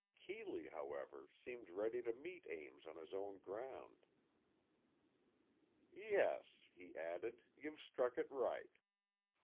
Keeley, however, seemed ready to meet Ames on his own ground. "Yes," he added, "you've struck it right.